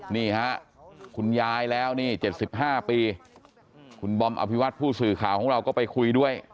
นี่ฮะคุณยายแล้วนี่๗๕ปีคุณบอมอภิวัตผู้สื่อข่าวของเราก็ไปคุยด้วย